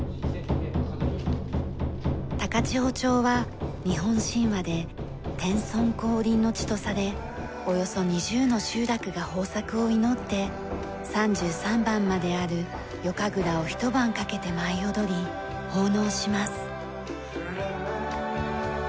高千穂町は日本神話で天孫降臨の地とされおよそ２０の集落が豊作を祈って３３番まである夜神楽をひと晩かけて舞い踊り奉納します。